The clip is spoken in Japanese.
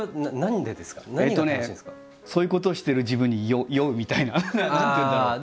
そういうことをしてる自分に酔うみたいな何ていうんだろう。